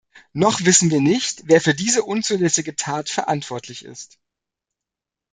Noch wissen wir nicht, wer für diese unzulässige Tat verantwortlich ist.